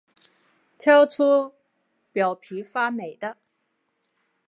挑出表皮发霉的